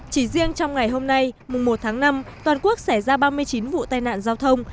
chỉ riêng trong ngày hôm nay mùng một tháng năm toàn quốc xảy ra ba mươi chín vụ tai nạn giao thông